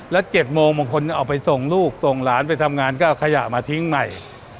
แล้ว๗โมงบางคนเอาไปส่งลูกส่งหลานไปทำงานก็เอาขยะมาทิ้งใหม่